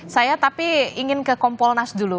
saya tapi ingin ke kompolnas dulu